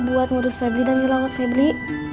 buat ngurus pebri dan ngelawat pebri